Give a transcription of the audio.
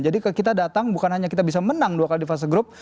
jadi kita datang bukan hanya kita bisa menang dua kali di vassal group